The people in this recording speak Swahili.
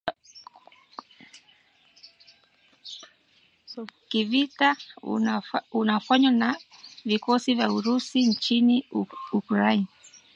kivita unaofanywa na vikosi vya Urusi nchini Ukraine